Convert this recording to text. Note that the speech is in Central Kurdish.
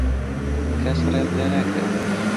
کەس ڕێت لێ ناگرێت.